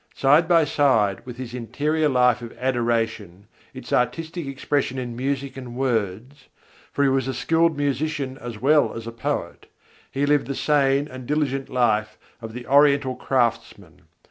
Side by side with his interior life of adoration, its artistic expression in music and words for he was a skilled musician as well as a poet he lived the sane and diligent life of the Oriental craftsman.